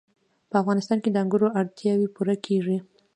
په افغانستان کې د انګورو اړتیاوې پوره کېږي.